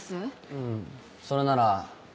うんそれなら。